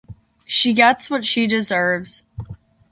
She gets what she deserves.